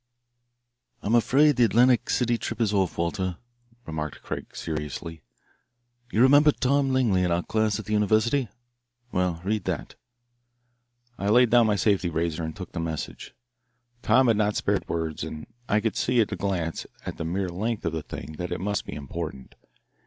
"I'm afraid the Atlantic City trip is off, Walter," remarked Craig seriously. "You remember Tom Langley in our class at the university? Well, read that." I laid down my safety razor and took the message. Tom had not spared words, and I could see at a glance at the mere length of the thing that it must be important.